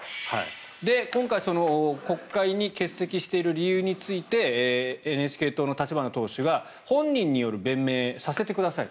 今回、国会に欠席している理由についてＮＨＫ党の立花党首が本人による弁明をさせてくださいと。